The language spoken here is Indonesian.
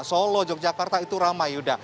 solo yogyakarta itu ramai